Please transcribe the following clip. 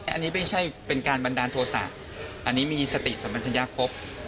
อันนี้ไม่ใช่เป็นการบันดาลโทษะอันนี้มีสติสัมปัญชัญญาครบ